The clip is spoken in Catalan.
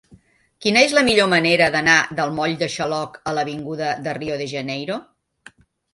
Quina és la millor manera d'anar del moll de Xaloc a l'avinguda de Rio de Janeiro?